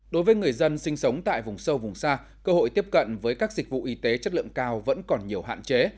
đối với người dân sinh sống tại vùng sâu vùng xa cơ hội tiếp cận với các dịch vụ y tế chất lượng cao vẫn còn nhiều hạn chế